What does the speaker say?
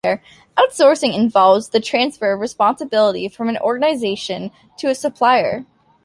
Outsourcing involves the transfer of responsibility from an organization to a supplier.